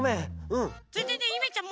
うん。